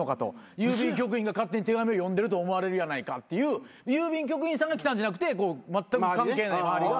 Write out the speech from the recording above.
郵便局員が勝手に手紙を読んでると思われるやないかっていう郵便局員さんが来たんじゃなくてまったく関係ない周りが。